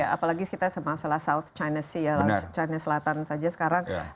apalagi kita sama salah south china